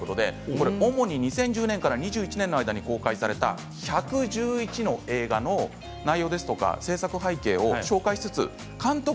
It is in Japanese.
主に２０１０年から２０１１年の間に公開された１１１の映画の内容ですとか製作背景を紹介しつつ監督